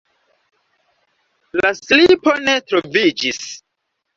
La slipo ne troviĝis.